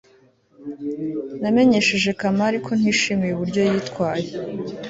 namenyesheje kamali ko ntishimiye uburyo yitwaye